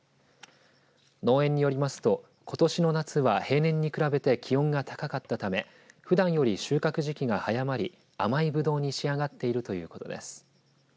農園によりますとことしの夏は平年に比べて気温が高かったためふだんより収穫時期が早まり甘いブドウに仕上がっているということです。